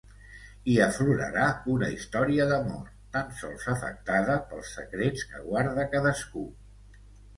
Hi aflorarà una història d’amor, tan sols afectada pels secrets que guarda cadascú.